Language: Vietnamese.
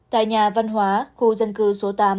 tại nhà văn hóa khu dân cư số tám